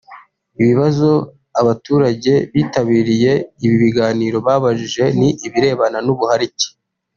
Ibibazo abaturage bitabiriye ibi biganiro babajije ni ibirebana n’ubuharike